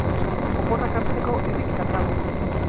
Oporrak hartzeko irrikitan dago